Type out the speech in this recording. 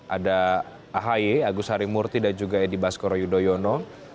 ada ahy agus harimurti dan juga edi baskoro yudhoyono